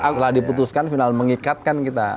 setelah diputuskan final mengikat kan kita